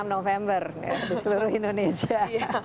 dua puluh enam november di seluruh indonesia